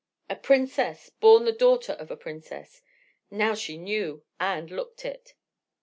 A princess, born the daughter of a princess, now she knew and looked it.